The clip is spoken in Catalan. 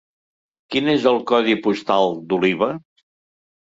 Quin és el codi postal d'Oliva?